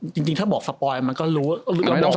จริงถ้าบอกสปอยมันก็รู้